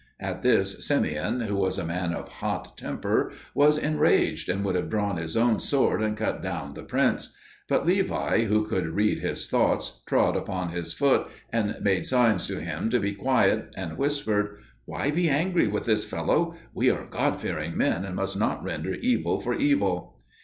At this Simeon, who was a man of hot temper, was enraged, and would have drawn his own sword and cut down the prince; but Levi, who could read his thoughts, trod upon his foot and made signs to him to be quiet, and whispered, "Why be angry with this fellow? We are God fearing men, and must not render evil for evil."